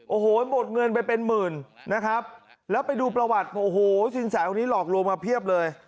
โอ้โหหมดเงินไปเป็นหมื่นนะครับแล้วไปดูประวัติโอ้โหสินแสคนนี้หลอกลวงมาเพียบเลย